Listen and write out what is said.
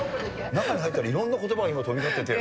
中に入ったらいろんなことばが今、飛び交ってて。